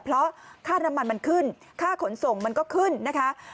เพราะค่าน้ำมันมันขึ้นค่าขนส่งมันก็ขึ้นนะคะ